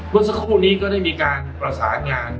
รวมสักครู่นี้ได้มีการประสาทงาน